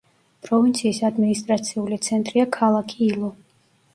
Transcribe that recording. პროვინციის ადმინისტრაციული ცენტრია ქალაქი ილო.